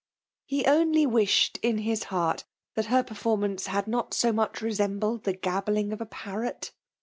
He only wished in his heart that her performance had not so much resembled the gabbling of a parrot.